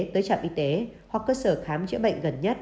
tới trạm y tế hoặc cơ sở khám chữa bệnh gần nhất